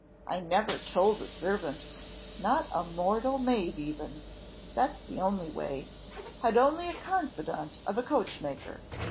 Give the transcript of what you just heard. I never told a servant not a mortal maid even; that's the only way; had only a confidante of a coachmaker.